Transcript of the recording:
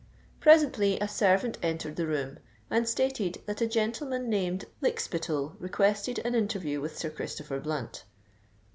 Presently a servant entered the room, and stated that a gentleman named Lykspittal requested an interview with Sir Christopher Blunt.